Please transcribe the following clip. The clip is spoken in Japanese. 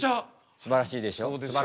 すばらしいでしょ。